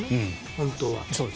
本当は。